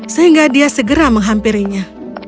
sehingga dia segera menghampirinya